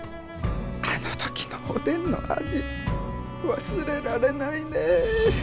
あの時のおでんの味忘れられないね。